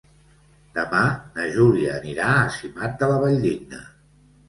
Demà na Júlia anirà a Simat de la Valldigna.